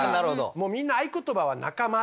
もうみんな合言葉は「仲間」とか。